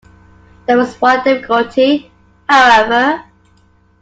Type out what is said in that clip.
There was one difficulty, however.